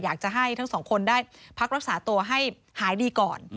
อยากจะให้ทั้งสองคนได้พักรักษาตัวให้หายดีก่อน